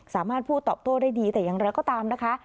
สามารถพูดตอบโต้ได้ดีแต่อย่างไรก็ตามนะคะ